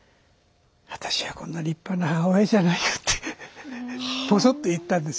「私はこんな立派な母親じゃないよ」ってポソッと言ったんです。